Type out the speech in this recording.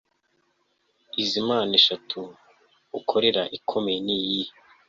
izi mana eshatu ukorera ikomeye ni iyihe